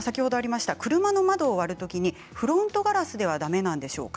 車の窓を割るときにフロントガラスはだめなんでしょうか。